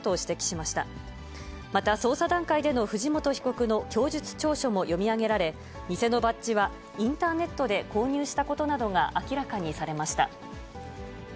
また、捜査段階での藤本被告の供述調書も読み上げられ、偽のバッジはインターネットで購入したことなどが明らかにされました。